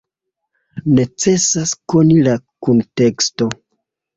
Necesas koni la kunteksto.